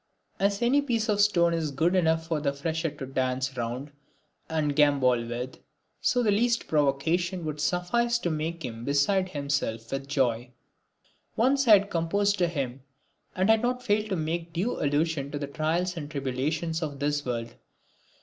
As any piece of stone is good enough for the freshet to dance round and gambol with, so the least provocation would suffice to make him beside himself with joy. Once I had composed a hymn, and had not failed to make due allusion to the trials and tribulations of this world.